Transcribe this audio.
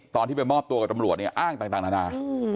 ตอนที่ไปมอบตัวกับตำรวจเนี่ยอ้างต่างนานา